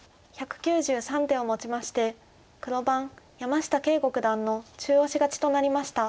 １９３手をもちまして黒番山下敬吾九段の中押し勝ちとなりました。